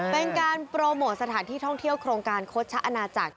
เป็นการโปรโมทสถานที่ท่องเที่ยวโครงการโค้ชชะอาณาจักร